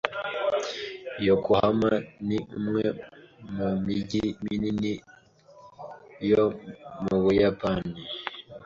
Yokohama ni umwe mu mijyi minini yo mu Buyapani.